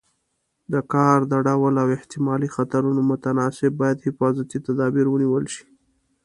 د کار د ډول او احتمالي خطرونو متناسب باید حفاظتي تدابیر ونیول شي.